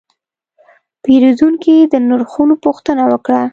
پیرودونکی د نرخونو پوښتنه وکړه.